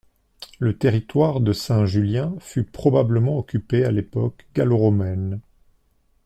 Le territoire de Saint-Julien fut probablement occupé à l’époque gallo-romaine.